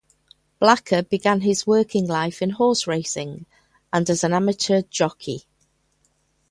Blacker began his working life in horse-racing and as an amateur jockey.